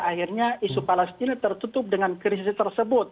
akhirnya isu palestina tertutup dengan krisis tersebut